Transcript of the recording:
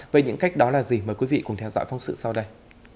với những cách đó là gì mời quý vị cùng theo dõi phong sự sau đây